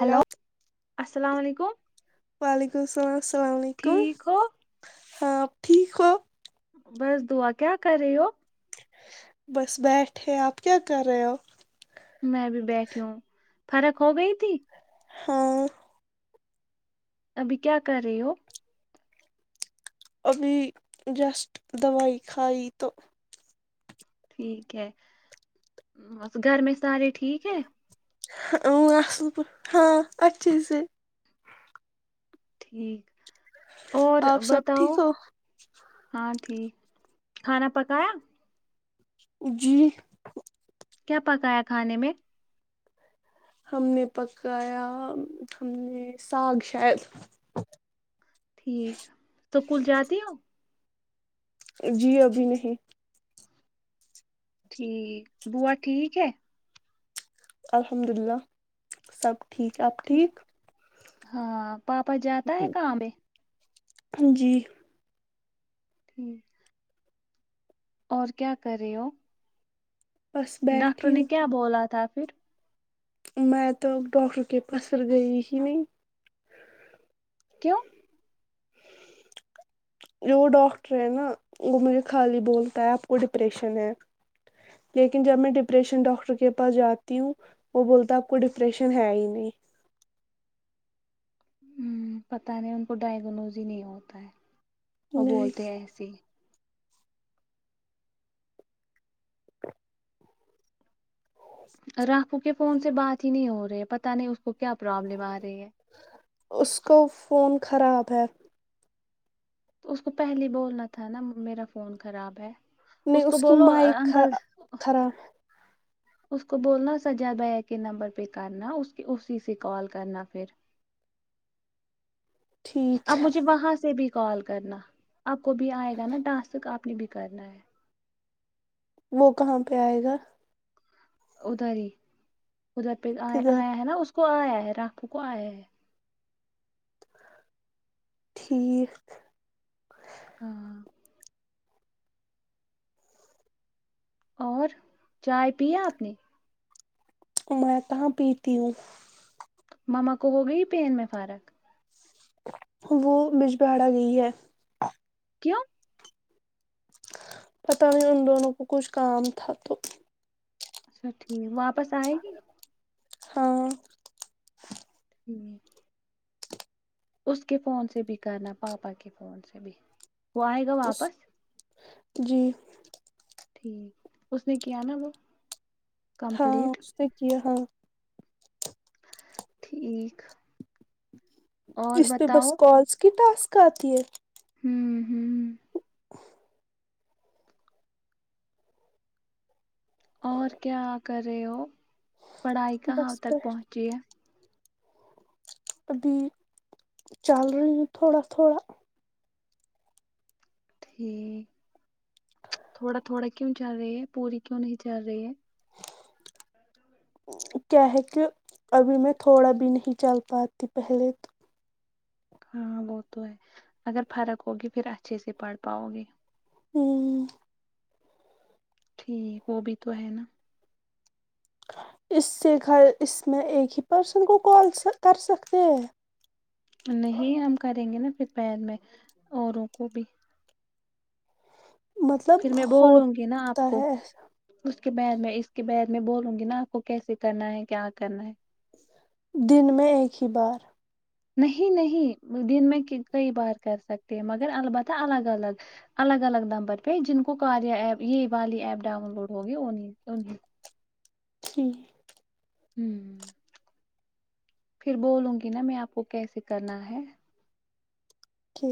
hello السلام علیکم وعلیکم السلام السلام علیکم ٹھیک ہو ہاں ٹھیک ہو بس دا کیا کر رہے ہو بس بیٹھے آپ کیا کر رہے ہو میں بھی بیٹھی ہوں فرق ہو گئی تھی ہاں ابھی کیا کر رہے ہو ابھی جسٹ دوائی کھائی تو ٹھیک ہے بس گھر میں سارے ٹھیک ہے [inaudible] [inaudible] اور آپ سب بتاؤ ٹھیک ہو ہاں ٹھیک کھانا پکایا جی کیا پکایا کھانے میں ہم نے پکایا ہم نے ساگ شاید ٹھیک توکل جاتی ہو جی ابھی نہیں ٹھیک بوو ٹھیک ہے الحمد للہ سک ہاں پاپا جاتا ہے کہاں میں جی [inaudible] اور کیا کر رہے ہو بس ڈاکٹر بیٹھی نے ہوں کیا بولا تھا [inaudible] میں تو ڈاکٹر کے پسر گئی ہی نہیں کیوں جو ڈاکٹر ہے نا وہ مجھے خالی بولتا ہے آپ کو ڈپریشن ہے لیکن جب میں ڈپریشن ڈاکٹر کے پاس جاتی ہوں وہ بولتا ہے آپ کو ڈپریشن ہے ہی نہیں ہ پت نہیں ان کو ڈائگنوز ہی نہیں ہوتا ہے وہ نہیں بولتے ایسے راکوں کے فون سے بات ہی نہیں ہو رہے پتا نہیں اس کو کیا پرابلم آ رہی ہے اس کا فون خراب ہے تو اس کو پہلے بولنا تھا نا میرا فون خراب ہے نے کو اس کی بولو مائک انکل کرا اس کو بولنا سجا ب ہے کہ نمبر پہ کرنا اس کی اسی سے کال کرنا پھر ٹھیک اب ہے مجھے وہاں سے بھی کال کرنا آپ کو بھی آئے گا نا ٹاسک آپ نے بھی کرنا ہے وہ کہاں پہ آئے گا اداری ادھر پ آ کدھر آیا ہے نا اس کو کو آ ہے رپو کو آئے ٹھیک ہاں اور چائے پیا آپ نے میں کہاں پیتی ہوں ماما کو ہو گئی پین میں فارق وہ بجباڑا گئی ہے کیاوں پتہ نہیں ان دونوں کو کچھ کام تھا تو اچھا ٹھیک بپ واپس آئے گی ہاں ہوں اس کے فون سے بھی کرنا پاپا کے فون سے بھی وہ آئے گا اس واپس جی ٹھیک اس نے کیا نا وہ ہاں کمپلیٹ اس نے کیا ہاں ٹھیک اور اسس پہ بس بتاؤ کالس کی ٹاسک کاتی ہے ہوں ہوں اور کیا کر رہے ہو پڑھائی کہاں بس تک بیٹھ پہنچی ہے ابھی چل رہی ہوں تھوڑا تھوڑا ٹھیک تھوڑا تھوڑا کیوں چل رہی ہے پوری کیوں نہیں چل رہی ہے کیا ہے کہ ابھی میں تھوڑا بھی نہیں چل پاتی پہلے تو ہاں وہ تو ہے اگر فرق ہوگی پھر اچھے سے پڑھ پاؤ گے ہوں ٹھیک وہ بھی تو ہے نا اس سے گھر اس میں ایک ہی پرسن کو کال کر سکتے ہیں نہیں ہم کریں گے نا پھر پیر میں اوروں کو بھی مطلب پھر میں بولوں گی نا آپ ہوتا کو ہے اس کے بعد میں اس کے بد میں بولوں گی نا آپ کو کیسے کرنا ہے کیا کرنا ہے دن میں ایک ہی بار نہیں نہیں دن میں کئی بار کر سکتے ہیں مگر البتہ الگ الگ الگ الگ نمبر پہ جن کو کاریہ ایپ یہ والی ایپ ڈاؤن لوڈ ہوگی ان انیں جی ہ پھر بولوں گی نا میں آپ کو کیسے کرنا ہے کی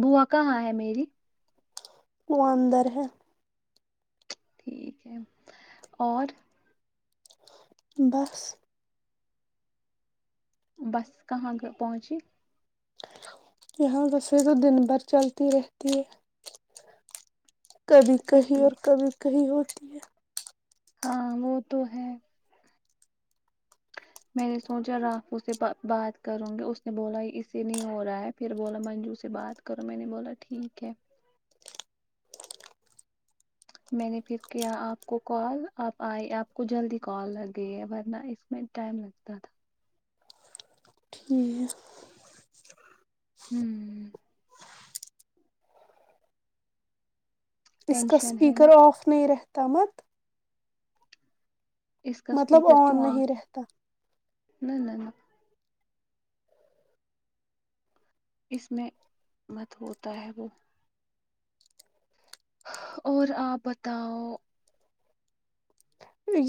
بوا کہاں ہے میری وہ اندر ہے ٹھیک ہے اور بس بس کہاں گ پہنچی یہاں بسیں تو دن بھر چلتی رہتی ہے کبھی اچھا کہیں ٹھیک اور کبھی کہیں اور [inaudible] ہاں وہ تو ہے میں نے سوچا رافو سے بات کروں گی اس نے بولا اسے نہیں ہو رہا ہے پھر بولا منجو سے بات کرو میں نے بولا ٹھیک ہے میں نے پھر کیا آپ کو کال آپ آئی آپ کو جلدی کال لگی ہے ورنہ اس میں ٹائم لگتا تھا ٹھیک ہوں ہ اس کا ٹینشن ہے نا اسپیکر آف نہیں رہتا تمت اس کا مطلب اسپیکر کیوں آن آ نہیں رہتا نہ نہ نہ اس میں مت ہوتا ہے وہ اور آپ بتاؤ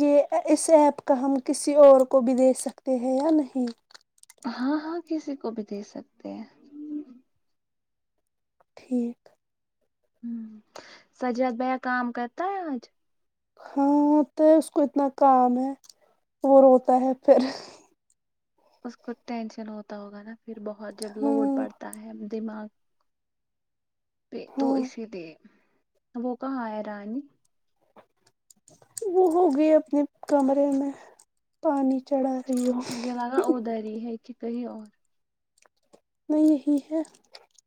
یہ اس ایپ کا ہم کسی اور کو بھی دیکھ سکتے ہیں یا نہیں ہاں ہاں کسی کو بھی دے سکتے ہیں ٹھیک ہ سجاد بھیا کام کرتا ہے آج ہاں تو اس کو اتنا کام ہے وہ روتا ہے پھر اس کو ٹینشن ہوتا ہوگا نا پھر بہت جب لوڈ ہاں پڑتا ہے دماغ پ تو ہاں اسی لیے وہ کا آ رانی وہ ہوگیا اپنے کمرے میں پانی چڑھا رہی ہو مجھے لگا ادر ہے کہ کہیں اور میں یہی ہے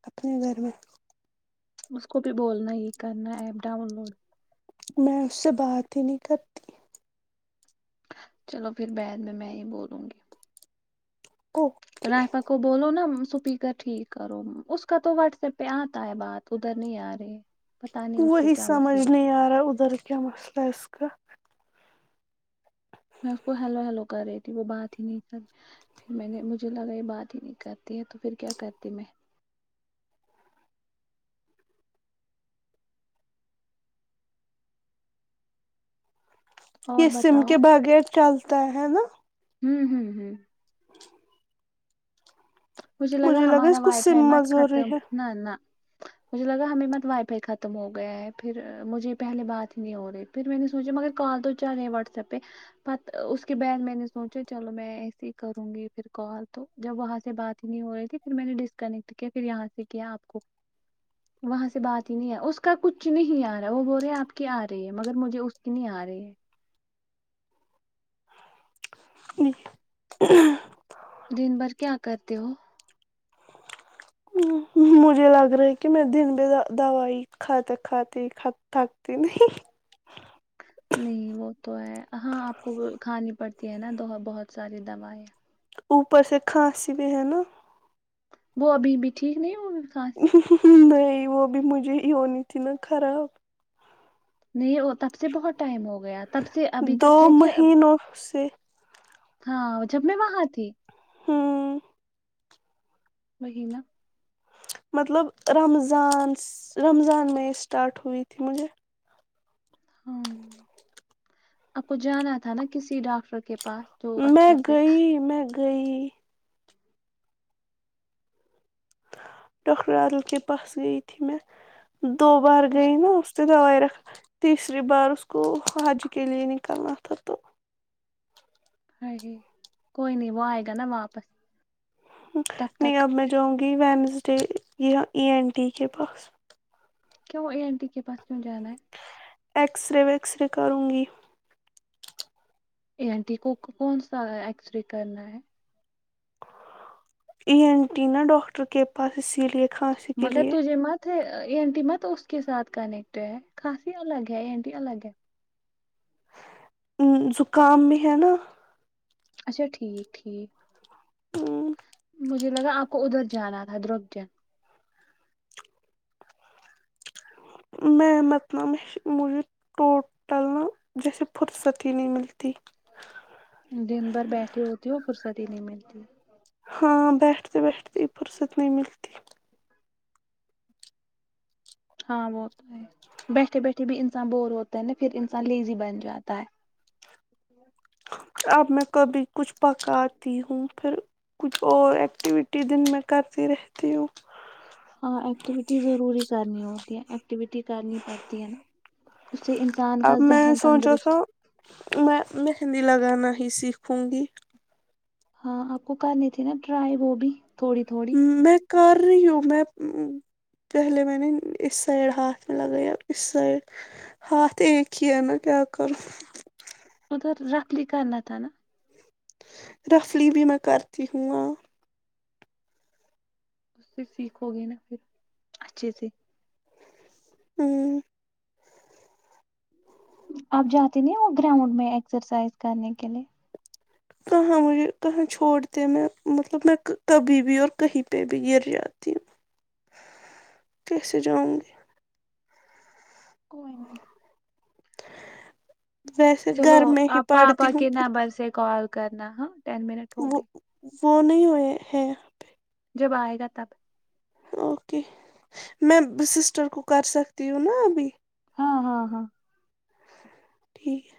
اپنے گھر میں اس کو بھی بولنا ہی کرنا ایپ ڈاؤن لوڈ میں اس سے بات ہی نہیں کرتی چلو پھر بد میں میں ہی بولوں گی اوکے رائفا کو بولو نا سپیکر ٹھیک کرو اس کا تو واٹس ایپ پہ آتا ہے بات ادھر نہیں آ رہی پتا نہیں اس کو وہی کیا سمجھ مسئلہ نہیں آ رہا ادھر کیا مسئلہ ہے اس کا میں اس کو ہیلو ہیلو کر رہی تھی وہ بات ہی نہیں کر رہ پھر میں نے مجھے لگا یہ بات ہی نہیں کرتی ہے تو پھر کیا کرتی میں یہ اور سم بتاؤ کے بغیر چل تا ہے نا ہوں ہوں ہوں مجھے لگا ہمارا اس کو وائی بھائی سم مت مزوری ختم ہے نہ نہ مجھے لگا ہمیں مت وائی فائی ختم ہو گیا ہے پھر مجھے پہلے بات ہی نہیں ہو رہی پھر میں نے سوچا مگر کال تو چلے واٹس ایپ پہ ب اس کے بعد میں نے سوچا چلو میں ایے ہی کروں گی پھر کال تو جب وہاں سے بات نہیں ہو رہی تھی پھر میں نے ڈسکنیکٹ کیا پھر یہاں سے کیا آپ کو وہاں سے بات ہی نہیں آ اس کا کچھ نہیں آ رہا وہ بول رہے آپ کی آ رہی ہے مگر مجھے اس کی نہیں آ رہی ہے [inaudible] دن بھر کیا کرتے ہو مجھے لگ رہا ہے کہ میں دن بھی دوائی کھاتے کھاتی تھکتی نہیں نہیں وہ تو ہے ہاں آپ کو کھانی پڑتی ہے نا بہت ساری دوائیں اوپر سے کھانسی بھی ہے نا وہ ابھی بھی ٹھیک نہیں ہوئے [inaudible] وہ بھی مجھے نی تھی نا خراب نہیں تب سے بہت ٹائم ہو گیا تب سے ابھی دو تک ہے کہ مہینوں سے ہاں جب میں وہاں تھی ہاں وہہ نا مطلب رمضان رمضان میں اسٹارٹ ہوئی تھی مجھے آ کو جانا تھا نا کسی ڈاکٹر کے پاس تو اچھا سے بئی ڈاکٹر عادل کے پاس گئی تھی میں دو بار گئے نا اس سے دوائی تیسری بار اس کو حج کے لے نکلنا تھا تو ہ کوئی نہیں وہ آئے گا نا واپس تب نہیں تک اب میں جاؤں گی گئ وینزڈے یہاں ای این ٹی کے پاس کیوں اے این ٹی کے پاس کیوں جانا ہے ایکسرے ویکسرے کروں گی ای این ٹی کو کون سا ایکس رے کرنا ہے ای این ٹی نہ ڈاکٹر کے پاس اسی لیے کھانسی کے مگر لیے تجھے مت ای این ٹی مت اس کے ساتھ کنیکٹ ہے کھانسی الگ ہے ای این ٹی الگ ہے زکام بھی ہے نہ اچھا ٹھیک ٹھیک مجھے لگا آپ کو ادھر جانا تھا درگجن میں مت نہ میں مجھے ٹوٹل نہ جیسے فرصت ہی نہیں ملتی دن بھر بیٹھی ہوتی ہو فرصتی نہیں ملتی ہاں بیٹھتے بیٹھتے فرصت نہیں ملتی ہاں بہت بیٹھے بیٹھے جی بھی انسان بور ہوتا ہے نہ پھر انسان لیزی بن جاتا ہے اب میں کبھی کچھ پکاتی ہوں پھر کچھ اور ایکٹیویٹی دن میں کرتی رہتی ہوں ہاں ایکٹیوٹی ضروری کرنی ہو ایکٹیوٹی کرنی پڑتی ہے نہ اب میں سوچا تھا میں مہندی لگانا ہی سیکھوں گی ہاں آپ کو کرنی تھی نہ ٹرائی وہ بھی تھوڑی تھوڑی میں کر رہی ہوں میں پہلے میں نے اس سائڈ ہاتھ میں لگیا اب قس سائڈ ہات ایک ہی ہینا کیا کرو ادھر رفلی کرنا تھا نا رفلی بھی میں کرتی ہوں آں اس سے سیکھو گے نا پھر اچھے سے ہممم اب جاتے نہیں وہ گراؤنڈ میں ایکسرسائز کرنے کے لیے کہاں مجھے کہاں چھوڑتے میں مطلب میں کبھی بھی اور کہیں پہ بھی گر جاتی ہوں کیسے جاؤں گی کوئی نہیں ویسے چلو گھر میں ہی آپ پڑتی پاپا ہوں کے پھر نمبر سے کال کرنا ہے ٹین منٹ ہو وہ گئے وہ نہیں ہوئے ہے یہاں پہ جب آئے گا تب اوکے میں سسٹر کو کر سکتی ہوں نہ ابھی ہاں ہاں ہاں ٹھیک ہے